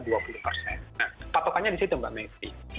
nah patokannya di situ mbak mepri